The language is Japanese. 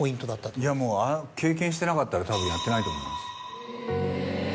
いやもう経験してなかったらたぶんやってないと思います。